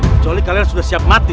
kecuali kalian sudah siap mati